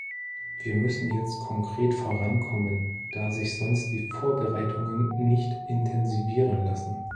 Wir müssen jetzt konkret vorankommen, da sich sonst die Vorbereitungen nicht intensivieren lassen.